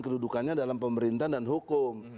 kedudukannya dalam pemerintahan dan hukum